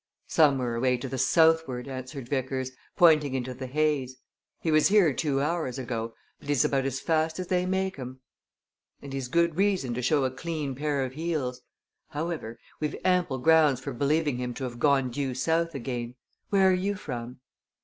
"Somewhere away to the southward," answered Vickers, pointing into the haze. "He was here two hours ago but he's about as fast as they make 'em, and he's good reason to show a clean pair of heels. However, we've ample grounds for believing him to have gone due south again. Where are you from?"